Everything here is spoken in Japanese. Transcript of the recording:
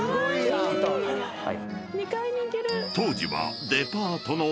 ［当時は］